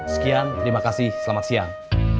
sekian terima kasih selamat siang